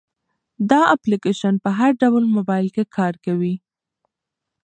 دا اپلیکیشن په هر ډول موبایل کې کار کوي.